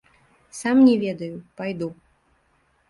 Сам не ведаю, пайду.